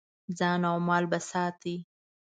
ځان او مال به ساتې.